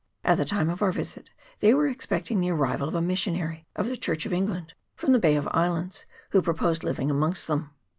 At the time of our visit they were expecting the arrival of a missionary of the Church of England from the Bay of Islands, who purposed living amongst them.